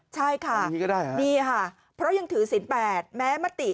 ใช่ค่ะนี่ก็ได้ค่ะนี่ค่ะเพราะยังถือสินแม้มะติ